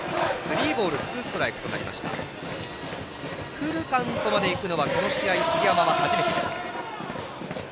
フルカウントまでいくのはこの試合、杉山は初めてです。